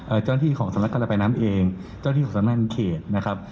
เจ้าหน้าที่ของสำนักการระบายน้ำเองเจ้าที่สำนักงานเขตนะครับ